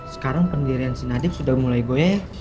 sekarang pendirian si nadib sudah mulai goyek